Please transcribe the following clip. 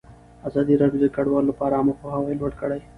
ازادي راډیو د کډوال لپاره عامه پوهاوي لوړ کړی.